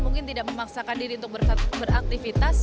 mungkin tidak memaksakan diri untuk beraktivitas